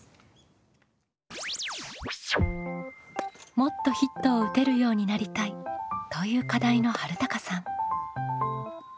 「もっとヒットを打てるようになりたい」という課題のはるたかさん。